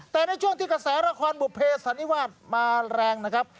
แต่ในช่วงที่กระแสละครบุภเสันนิวาสมาแรงนะครับ